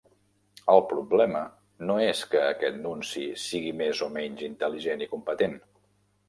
El problema no és que aquest Nunci sigui més o menys intel·ligent i competent.